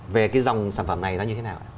về cái dòng sản phẩm này nó như thế nào ạ